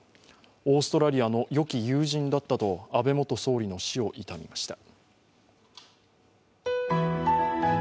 オーストラリアのよき友人だったと安倍元総理の死を悼みました。